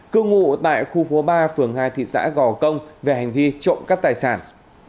cư ngụ tại khu phố ba phường hai thị xã gò công về hành vi trộm cắp tài sản